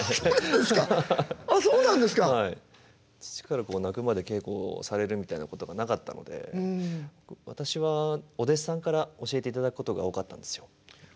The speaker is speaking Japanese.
父からこう泣くまで稽古をされるみたいなことがなかったので私はお弟子さんから教えていただくことが多かったんですよ。